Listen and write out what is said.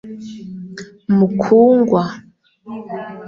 Mukungwa